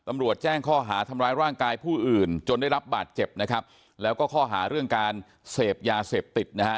แจ้งข้อหาทำร้ายร่างกายผู้อื่นจนได้รับบาดเจ็บนะครับแล้วก็ข้อหาเรื่องการเสพยาเสพติดนะฮะ